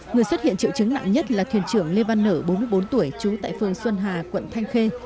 người xuất hiện triệu chứng nặng nhất là thuyền trưởng lê văn nở bốn mươi bốn tuổi trú tại phường xuân hà quận thanh khê